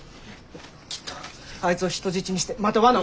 きっとあいつを人質にしてまた罠を。